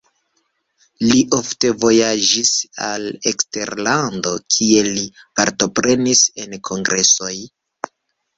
Li ofte vojaĝis al eksterlando, kie li partoprenis en kongresoj.